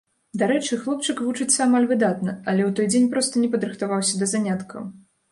Дарэчы, хлопчык вучыцца амаль выдатна, але у той дзень проста не падрыхтаваўся да заняткаў.